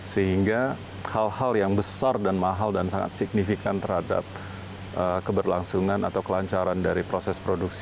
sehingga hal hal yang besar dan mahal dan sangat signifikan terhadap keberlangsungan atau kelancaran dari proses produksi